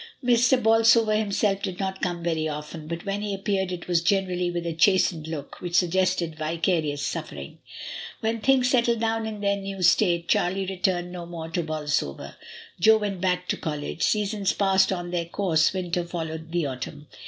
Mr. Bolsover himself did not come very often, but when he appeared it was generally with a chastened look, which suggested vicarious suffering. Then things settled down in their new state; Charlie returned no more to Bolsover, Jo went back to college; seasons passed on their course, winter followed the autumn.